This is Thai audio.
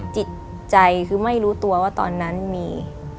จิตใจคือไม่รู้ตัวว่าตอนนั้นมี